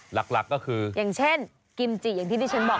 หลักก็คืออย่างเช่นกิมจิอย่างที่ดิฉันบอก